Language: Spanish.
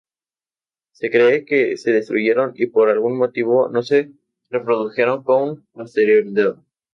Se cree que se destruyeron y, por algún motivo, no se reprodujeron con posterioridad.